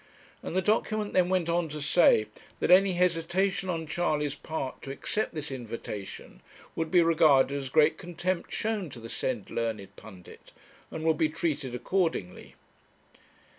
and the document then went on to say, that any hesitation on Charley's part to accept this invitation would be regarded as great contempt shown to the said learned pundit, and would be treated accordingly.